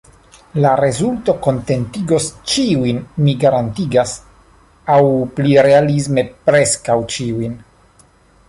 La rezulto kontentigos ĉiujn, mi garantias; aŭ pli realisme, preskaŭ ĉiujn.